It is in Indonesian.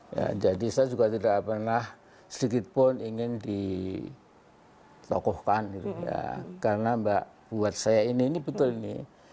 ya jadi saya juga tidak pernah sedikitpun ingin ditokohkan karena mbak buat saya ini ini betul ini